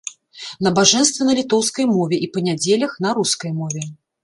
Набажэнствы на літоўскай мове і, па нядзелях, на рускай мове.